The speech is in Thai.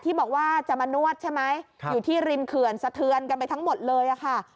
บอกว่าจะมานวดใช่ไหมอยู่ที่ริมเขื่อนสะเทือนกันไปทั้งหมดเลยค่ะ